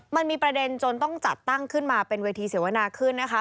มันมีประเด็นจนต้องจัดตั้งขึ้นมาเป็นเวทีเสวนาขึ้นนะคะ